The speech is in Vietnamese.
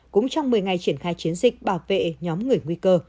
cũng trong một mươi ngày triển khai chiến dịch bảo vệ nhóm người nguy cơ